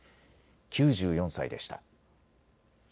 ９４歳でした。